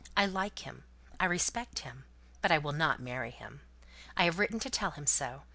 I like him, I respect him; but I will not marry him. I have written to tell him so.